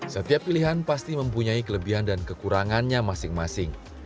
setiap pilihan pasti mempunyai kelebihan dan kekurangannya masing masing